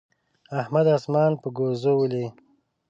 احمد اسمان په ګوزو ولي.